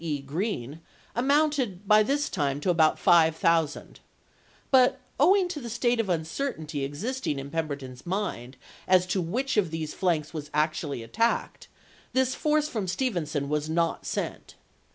E. Green, amounted by this time to about 5000. But owing to the state of uncertainty existing in Pemberton's mind as to which of his flanks was actually attacked, this force from Ste venson was not sent.